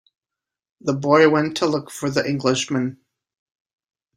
The boy went to look for the Englishman.